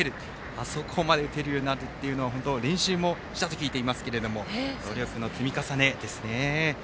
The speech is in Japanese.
あそこまで打てるようになるというのは本当に練習もしたと聞いていますが努力の積み重ねですね。